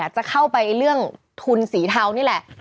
จะเข้าไปเรื่องทุนสีเทานี่แหละ